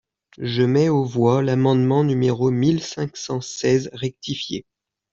Je mets aux voix l’amendement numéro mille cinq cent seize rectifié.